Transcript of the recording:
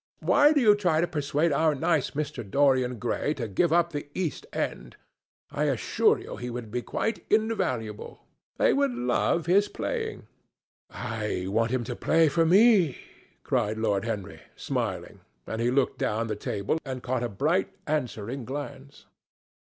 Why do you try to persuade our nice Mr. Dorian Gray to give up the East End? I assure you he would be quite invaluable. They would love his playing." "I want him to play to me," cried Lord Henry, smiling, and he looked down the table and caught a bright answering glance.